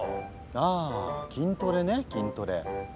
あ筋トレね筋トレ。